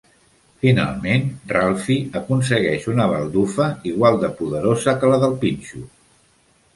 Finalment Ralphie aconsegueix una baldufa igual de poderosa que la del pinxo.